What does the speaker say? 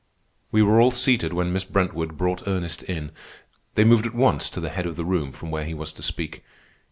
We were all seated when Miss Brentwood brought Ernest in. They moved at once to the head of the room, from where he was to speak.